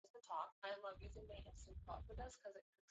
Waliosimamia utawala katika vijiji na jeshi la kulinda ardhi yake